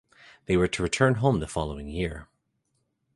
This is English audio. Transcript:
They were to return home the following year.